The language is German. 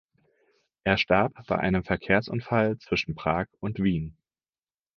Er starb bei einem Verkehrsunfall zwischen Prag und Wien.